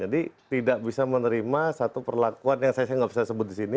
jadi tidak bisa menerima satu perlakuan yang saya tidak bisa sebut di sini